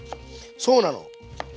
そうなの。